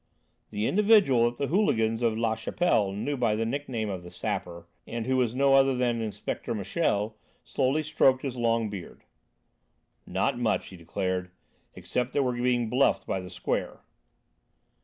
The individual that the hooligans of La Chapelle knew by the nickname of the Sapper, and who was no other than Inspector Michel, slowly stroked his long beard: "Not much," he declared, "except that we've been bluffed by the Square."